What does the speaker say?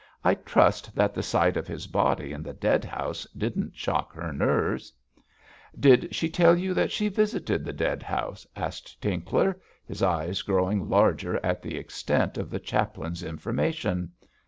'I trust that the sight of his body in the dead house didn't shock her nerves.' 'Did she tell you she visited the dead house?' asked Tinkler, his eyes growing larger at the extent of the chaplain's information.